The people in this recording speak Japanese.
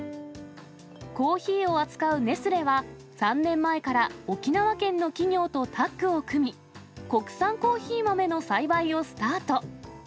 コーヒーを扱うネスレは、３年前から沖縄県の企業とタッグを組み、国産コーヒー豆の栽培をスタート。